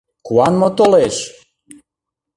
Куан мо толеш?